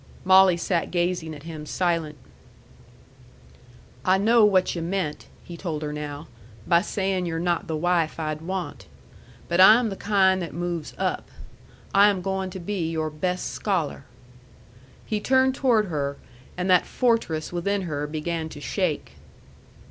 Molly sat gazing at him, silent. "I know what yu' meant," he told her now, "by sayin' you're not the wife I'd want. But I am the kind that moves up. I am goin' to be your best scholar." He turned toward her, and that fortress within her began to shake.